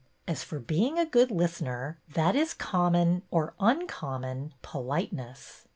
As for being a good listener, that is common — or uncommon — po liteness.